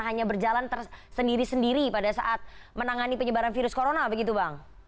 hanya berjalan sendiri sendiri pada saat menangani penyebaran virus corona begitu bang